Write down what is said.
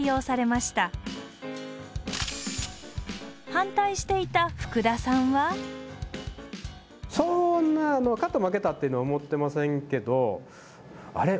反対していた福田さんはそんな勝った負けたっていうのは思ってませんけど「あれ？